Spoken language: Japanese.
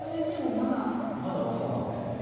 まだそうなんですよね。